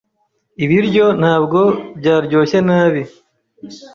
Ibiryo ntabwo byaryoshye nabi.